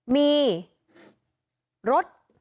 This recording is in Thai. มีรถ